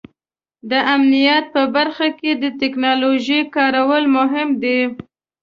د امنیت په برخه کې د ټیکنالوژۍ کارول مهم دي.